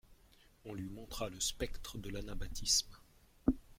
On lui montra le spectre de l'anabaptisme.